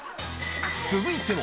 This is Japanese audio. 続いても